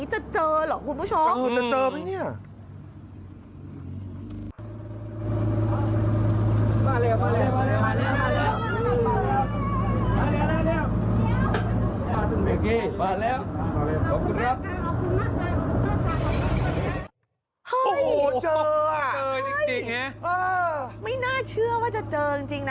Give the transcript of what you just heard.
เฮ้ยเจออ่ะไม่น่าเชื่อว่าจะเจอจริงนะ